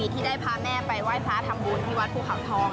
ที่ได้พาแม่ไปไหว้พระทำบุญที่วัดภูเขาทอง